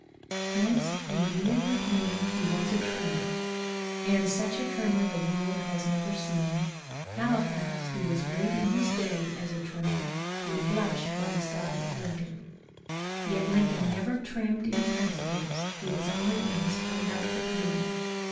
Hence, in dealing with men he was a trimmer, and such a trimmer the world has never seen. Halifax, who was great in his day as a trimmer, would blush by the side of Lincoln ; yet Lincoln never trimmed in principles, it was only in his conduct with men.